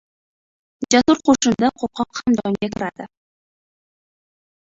jasur qo‘shinda qo‘rqoq ham jangga kiradi.